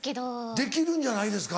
できるんじゃないですか？